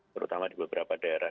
terutama di beberapa daerah